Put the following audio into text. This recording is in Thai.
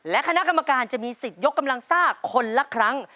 และคณะกรรมการจะมีสิทธิ์ยกกำลังซ่าคนละครั้ง